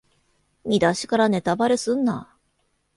見だしからネタバレすんな